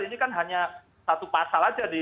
ini kan hanya satu pasal saja di